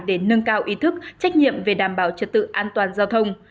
để nâng cao ý thức trách nhiệm về đảm bảo trật tự an toàn giao thông